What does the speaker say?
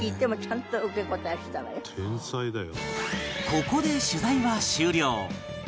ここで取材は終了